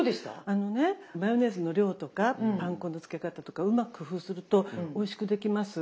あのねマヨネーズの量とかパン粉のつけ方とかうまく工夫するとおいしくできます。